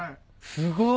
すごい。